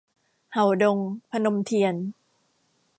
เห่าดง - พนมเทียน